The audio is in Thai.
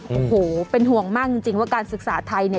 โอ้โหเป็นห่วงมากจริงว่าการศึกษาไทยเนี่ย